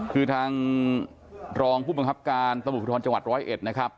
คือทางรองผู้บังคับการตมภิษฐานจังหวัด๑๐๑นะครับ